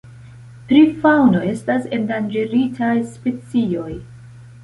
Pri faŭno estas endanĝeritaj specioj.